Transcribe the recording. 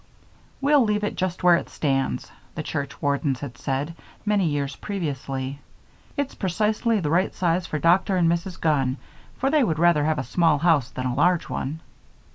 "We'll leave it just where it stands," the church wardens had said, many years previously. "It's precisely the right size for Doctor and Mrs. Gunn, for they would rather have a small house than a large one.